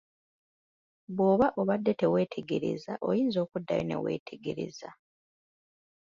Bw'oba obadde teweetegerezza oyinza okuddayo ne weetegereza.